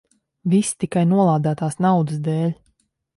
Viss tikai nolādētās naudas dēļ.